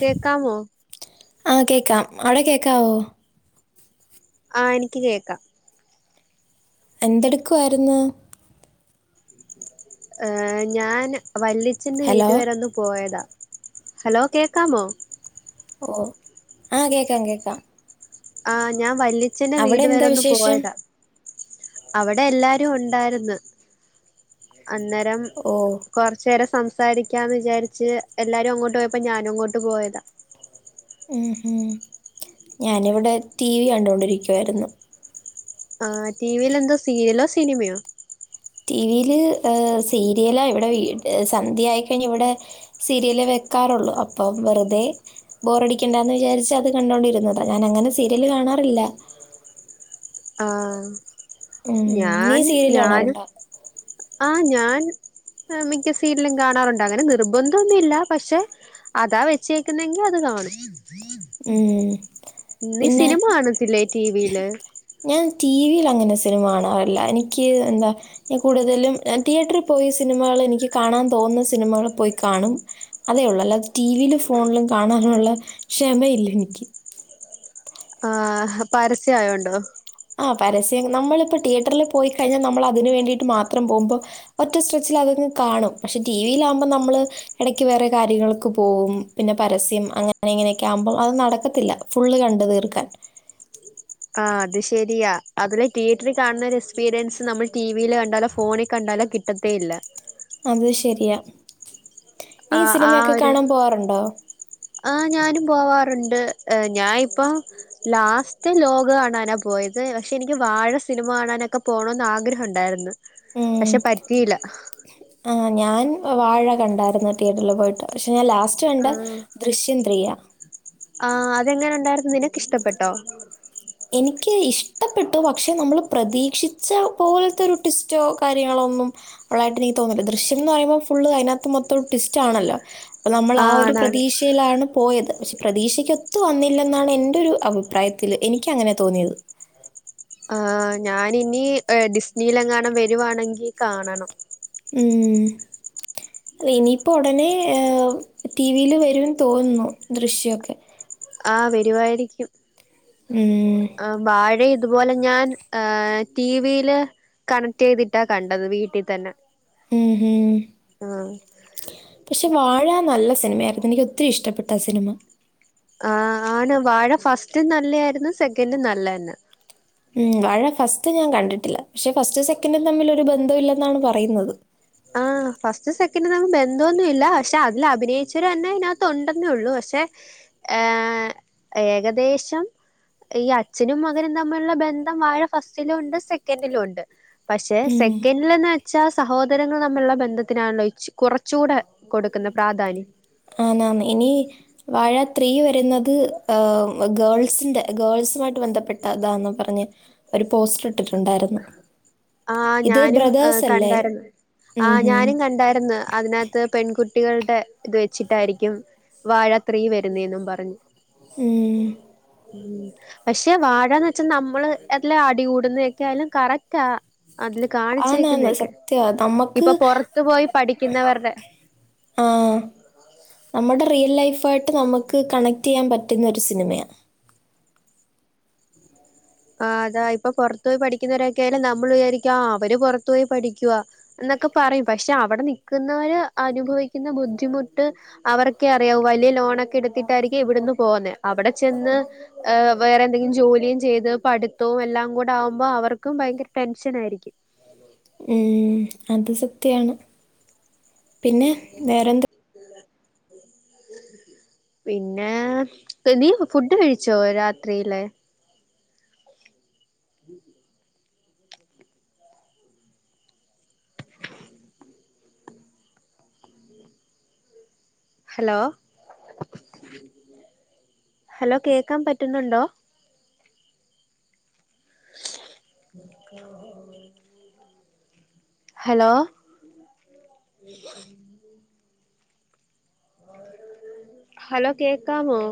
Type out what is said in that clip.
കേക്കാമോ ആഹ് കേക്കാം അവിടെ കേക്കാവോ ആഹ് എനിക്ക് കേക്കാം എന്തെടുക്കുവായിരുന്നു ഞാൻ വല്ലിച്ചൻ്റെ ഹലോ വീട്ട് വരെ ഒന്ന് പോയതാ ഹലോ കേൾക്കാമോ ഓ ആഹ് കേക്കാം കേക്കാം ആ ഞാൻ വല്ലിച്ചൻ്റെ അവിടെ വീട് എന്താ വരെ ഒന്ന് വിശേഷം പോയതാ അവിടെ എല്ലാരും ഉണ്ടായിരുന്നു അന്നേരം ഓ കുറച്ചേരം സംസാരിക്കാന്ന് വിചാരിച്ച് എല്ലാരും അങ്ങോട്ട് പോയപ്പോ ഞാനും അങ്ങോട്ട് പോയതാ ഉ ഹ ഞാനിവിടെ ടി വി കണ്ടുകൊണ്ടിരിക്കുവായിരുന്നു ആ ടിവിൽ എന്തോ സീരിയലോ സിനിമയോ ടിവില് സീരിയലാ ഇവിടെ വി സന്ധ്യട്ട് ആയിക്കഴിഞ്ഞൽ ഇവിടെ സീരിയല് വെക് ക്കാറുള്ളൂ അപ്പം വെറുതെ ബോറടിക്കേണ്ട എന്ന് വിചരിച്ച് അത് കണ്ടോണ്ടിരുന്നാണ് ഞാൻ അങ്ങനെ സീരിയല് കാണാ റില്ല ആ നീ ഞാൻ സീരിയൽ ഞനും കാണാറുണ്ടോ ആഹ് ഞാൻ മിക്ക സീനിലും കാണാറുണ്ട് അങ്ങനെ നിർബന്ധംമൊന്നുല്ല പക്ഷെ അതാ വെച്ചേക്കുന്നെങ്കി അത് കാണും ഉം. നീ പിന്നെ സിനിമ കാണത്തില്ലേ ടിവിയില് ഞാൻ ടി വി അങ്ങനെ സിനമ കാണാറില്ല എനിക്ക് എന്താ കൂടുലും തിയറ്ററിൽ പോയി സിനിമകൾ ക കാണാൻ തോന്നും സിനിമകൾ പോയി കാണും അതേള്ളൂ അല്ലാതെ ടിവിലും ഫോണിലും കാണാനുളള ക്ഷ ക്ഷമ ഇല്ല എനിക്ക് ആ പരസ്യ ആയോണ്ടോ ആ പരസ്യം നമ്മളിപ്പോൾ തിയേറ്ററിൽ പോയിക്കഴിഞ്ഞാ നമ്മൾ അതിന് വേണ്ടീട്ട് മാത്രം പോകുമ്പോൾ ഒറ്റ സ്ട്രെച്ചിൽ അത്‌ അങ്ങ് കാണും പക്ഷെ ടി വിയില ആകുമ്പോൾ നമ്മള് ഇടക്ക് വേറെ കാര്യങ്ങൾക്ക് പോകും പിന്നെ പരസ്യം അങ്ങനെ ങ്ങനെയൊക്കെ ആകുമ്പോൾ അത് നടക്കത്തില്ല ഫുള്ള് കണ്ട് തീർക്കാൻ ആഹ് അത് ശരിയാ അതിലെ തിയേറ്ററിൽ കാണുന്ന ഒരു എക്സ്പീരിയൻസ് നമ്മൾ ടിവിയിൽ കണ്ടല്ലോ ഫോണിൽ കണ്ട ല കിട്ടത്തേ ഇല്ല അത് ശരിയാ നീ ആ ആ ആ സിനിമയൊക്കെ ഒരു കാണാൻ പോകാറുണ്ടോ? ആ ഞാനും പോവാറുണ്ട് ഞാനിപ്പോ ലാസ്റ്റ് ലോക കാണാനാ പോയത് പക്ഷെ എനിക്ക് വാഴ സിനിമ മാടാനൊക്കെ പോകണന്ന് ആഗ്രഹ ഉണ്ടായിരുന്നു ഉം പക്ഷെ പറ്റിയില്ല ആ ഞാൻ വാഴ കണ്ടായിരുന്നു തിയേറ്ററില് പോയിട്ട് പക്ഷെ ഞാൻ ലാസ്റ്റ് കണ്ട ദൃശ്യം ത്രീയ ആ അതെങ്ങനെ ഉണ്ടായിരരുന്നുന്നത് നിനക്ക് ഇഷ്ടപ്പെട്ടോ എനിക്ക് ഇഷ്ട ട്ടു പക്ഷെ നമ്മൾ പ്രതീക്ഷിച്ച പോലത്തെ ഒരു ട്വിസ്റ്റോ കാര്യങ്ങളോ ഒന്നും ഉള്ളതായിട്ട് എനിക്ക് തോന്ന ദൃശ്യം എന്ന് പറയ്പോ ഫുള് അതിനകത്ത് മൊത്തം ട്വിസ്റ്റ് ആണല്ലോ അപ്പോൾ നമ്മൾ ആ ആഹ് ഒരു ആണാണ് പ്രതീക്ഷയിലാണ് പോയത് പക്ഷെ പ്രതീക്ഷയ്ക്ക്ൊത്തു വന്നില്ലെന്നാണ് എൻന്റെ ഒരു അഭിപ്രായത്തില്ൽ എനിക്ക് അങ്ങനെ തോന്നിയത് ആർ ഞാന ഇനി ഡിസ്നിയിലെങ്ങാനൻ വരുവാണെങ്കിൽ കാണണം ഉ അ ഇനിയിപ്പോ ഉടനെ ടിവിൽ വരുംന്ന് തോന്നുന്നു ദൃശ്യൊക്കെ ആ വരുവായിരിക്കും ഉം. വാഴ അതുപോലെ ഞാൻ ടിവിൽ കണക്ട് ചെയ്തിട്ടാ കണ്ടത് വീട്ടിൽ തന്നെ ഉം ഹം ആഹ് പക്ഷെ വാഴ നല്ല സിനിമയായിരുന്നു എനിക്ക് ഒത്തിരി ഇഷ്ടപ്പെട്ട ആ സിനിമ ആ ആണ് വാഴ ഫസ്റ്റ് നല്ലായിരുന്നു സെക്കൻഡും നല്ലന്നെ ഉം വാഴ ഫസ്റ്റ് ഞാൻ കണ്ടിട്ടില്ല പക്ഷെ ഫസ്റ്റ് സെക്കൻഡും തമ്മിൽ ഒരു ബന്ധം ഇില്ലെന്നാണ് പറയുന്നത് ആ ഫസ്റ്റ് സെക്കൻഡ് നമുക്ക് ബന്ധമൊന്നുമ ഇല്ല പക്ഷെ അതിൽ അഭിനയിച്ചവര് തന്നെ ഇതിനകത്ത് ഉണ്ടെന്നേ ഉള്ളൂ പെ പക്ഷെ ഏകദേശം ഈ അച്ഛനും മകനും തമ്മിലുള്ള ബന്ധം വാഴ ഫസ്റ്റിലോ ഉണ്ട് സെക്കൻഡിലോ ഉണ്ട് പക്ഷെ ഉം, സെക്കൻഡിലന്ന് വെച്ചാൽ സഹോദര സങ്ങൾ തമ്മിലുള്ള ബന്ധത്തിനാണല്ലോച്ച് കുറച്ചുകൂടെ കൊടുക്കുന്ന പ്രാധാന്യം ആ ന ഇനി വാഴ ത്രീ വരുന്നത് ഗേൾസിന്റെ ഗേൾസുമായിട്ട് ബന്ധപ്പെട്ടതാ പറഞ്ഞ പോസ് തരുന്നു ആ ഞാനും കണ്ടായിരുന്നു ആ് ഉം ഹും. ഞാനും കണ്ടായിരുന്നു അതിനകത്ത് പെൺകുട്ടി കുട്ടികളുടെ ഇത് വെച്ചിട്ടായിരിക്കും വാഴത്രീ വരുന്നതെന്നും പറഞ്ഞു ഉം. ഉം പക്ഷെ വാഴന്ന് വെച്ചാ നമ്മള് എല്ലാം അടികൂടുന്നതൊക്കെ ആയാലും കറക്റ്റാ അതില് ആന്നാന്ന് കാണിച്ചേക്കുന്നൊക്കെ സത്യ നമുക്ക് ഇപ്പൊ പുൊറത്തു പോയി പഠിക്കുന്നവരുടെ ആഹ നമ്മുടെ റിയൽ ലൈഫ ആയിട്ട് നമുക്ക് കണക്ട് ചെയ്യാൻ പറ്റുന്ന ഒരു സിനിമയാണ് ആ അതാ ഇപ്പൊ പുറത്തു പോോയി പഠിക്കുന്നവരൊക്കൊയാലും നമ്മൾ വിചാരിക്കാം അവര് പുറത്തു പോയി പഠിക്കവാ ക്കെ പറയും പക്ഷെ അവിടെ നൽിക്കുന്നവർ അനുഭവിക്കുന്ന ബുദ്ധിമുട്ട് അവർക്കെ അറിയാവ വല ലോണൊക്കെ എടുത്തിട്ടായിരിക്കും ഇവിടെന്ന് പോകന്നേ അവിടെ ചെന്ന്ഹ വേറെ എന്തെങ്കിലും ജോലിയും ചെയ്ത് പഠിത്തവും എല്ലാം കൂടെ ആകുമ്പോ അവർക്കും ഭയങ്കര ടെൻഷൻ ആയിരിക്കും യാണ് [unintelligible] [inaudible] അം പിന്നെ നീ ഫുഡ് കഴിച്ചോ രാത്രിയിലെ ഉം [unintelligible] ഹലോ ഹലോ കേക്കാൻ പറ്റുന്നുണ്ടോ അ ഹലോ ഹലോ കേക്കമോ